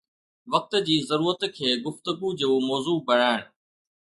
وقت جي ضرورت کي گفتگو جو موضوع بڻائڻ